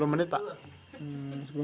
sepuluh menit pak